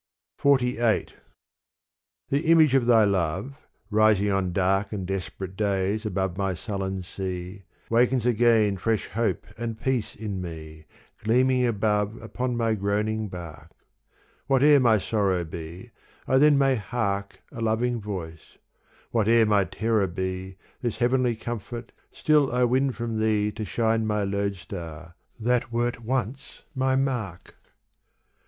XLVIII The image of thy love, rising on dark And desperate days above my sullen sea Wakens again fresh hope and peace in me, Gleaming above upon my groaning bark. Whate'er my sorrow be I then may hark A loving voice : whate'er my terror be This heavenly comfort still I win from thee To shine my lodestar that wert once my mark.